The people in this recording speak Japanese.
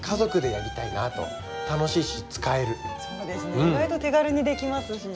意外と手軽にできますしね。